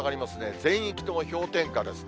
全域とも氷点下ですね。